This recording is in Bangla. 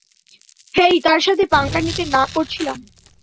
হেই, তার সাথে পাঙ্গা নিতে না করেছিলাম!